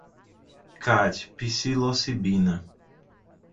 khat, psilocibina